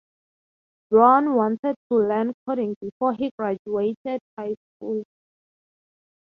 Rohan wanted to learn coding before he graduated highschool.